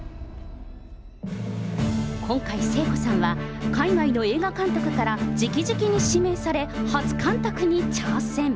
今回、聖子さんは、海外の映画監督からじきじきに指名され、初監督に挑戦。